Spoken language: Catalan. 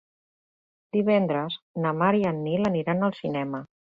Divendres na Mar i en Nil aniran al cinema.